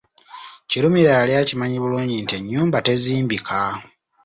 Kirumira yali akimanyi bulungi nti ennyumba tezimbika.